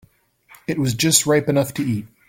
It was just ripe enough to eat.